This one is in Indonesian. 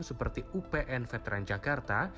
seperti upn veteran jakarta